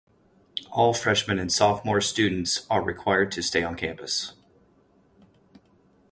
All freshman and sophomore students are required to stay on campus.